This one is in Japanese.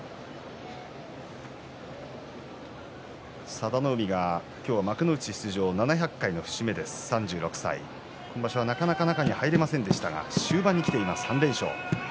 佐田の海が今日は幕内出場７００回の節目で３６歳今場所はなかなか中に入れませんでしたが終盤にきて３連勝。